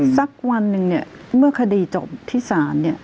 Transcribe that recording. สักวันหนึ่งเนี่ยเมื่อคดีจบที่ศาลเนี่ย